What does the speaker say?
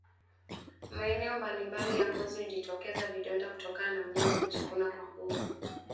Maeneo mbalimbali ya ngozi hujitokeza vidonda kutokana na mnyama kujikuna kwa nguvu